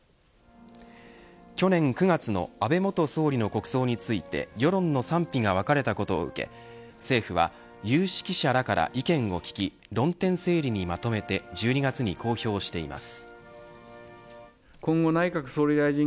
去年９月の安倍元総理の国葬について世論の賛否が分かれたことを受け政府は、有識者らから意見を聞き論点整理にまとめて１２月に公表しています。